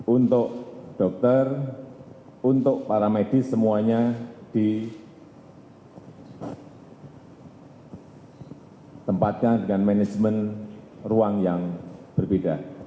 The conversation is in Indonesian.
untuk dokter untuk para medis semuanya ditempatkan dengan manajemen ruang yang berbeda